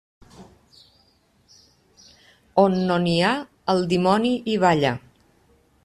On no n'hi ha, el dimoni hi balla.